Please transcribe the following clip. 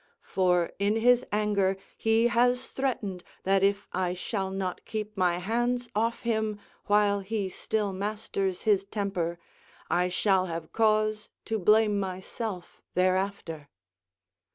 For in his anger he has threatened that if I shall not keep my hands off him while he still masters his temper, I shall have cause to blame myself thereafter."